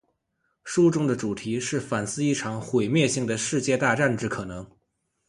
书中的主题是反思一场毁灭性的世界大战之可能。